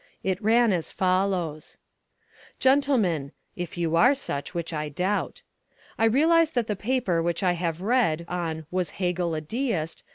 It ran as follows: "Gentlemen if you are such, which I doubt. I realise that the paper which I have read on 'Was Hegel a deist?'